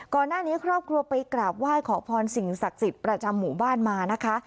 ครอบครัวไปกราบไหว้ขอพรสิ่งศักดิ์สิทธิ์ประจำหมู่บ้านมานะคะ